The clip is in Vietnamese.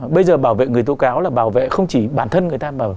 bây giờ bảo vệ người tố cáo là bảo vệ không chỉ bản thân người ta mà